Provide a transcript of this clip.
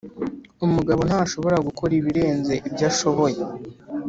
umugabo ntashobora gukora ibirenze ibyo ashoboye.